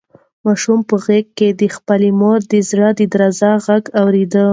ماشوم په غېږ کې د خپلې مور د زړه د درزا غږ اورېده.